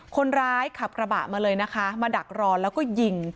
คนขับกระบะมาเลยนะคะมาดักรอแล้วก็ยิง